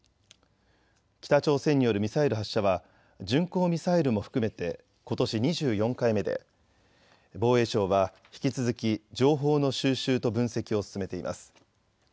北朝鮮によるミサイル発射は巡航ミサイルも含めてことし２４回目で防衛省は引き続き情報の収集と分析を進めています。